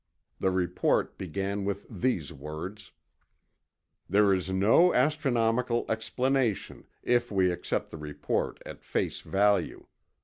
The report began with these words: "There is no astronomical explanation, if we accept the report at face value.